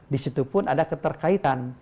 disitu pun ada keterkaitan